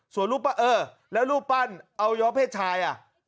ส่วนรูปปั้นเออแล้วรูปปั้นอวัยวะเพศชายอ่ะ